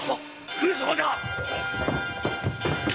上様じゃ！